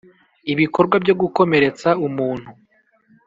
ibikorwa byo gukomeretsa umuntu